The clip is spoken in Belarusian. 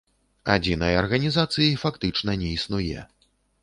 Адзінай арганізацыі фактычна не існуе.